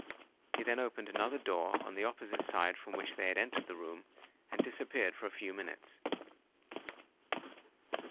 He then opened another door on the opposite side from which they had entered the room, and disappeared for a few minutes.